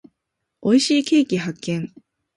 美味しいケーキ発見。